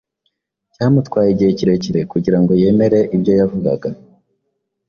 Byamutwaye igihe kirekire kugira ngo yemere ibyo yavugaga.